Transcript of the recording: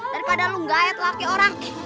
daripada lu ngayet laki orang